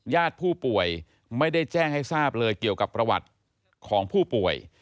ญาติผู้ป่วยไม่ได้แจ้งให้ทราบเลยเกี่ยวกับประวัติของผู้ป่วย